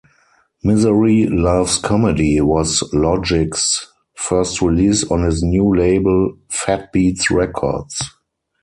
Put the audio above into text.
"Misery Loves Comedy" was Logic's first release on his new label, Fatbeats Records.